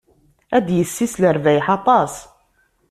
Ad d-yessis lerbayeḥ aṭas.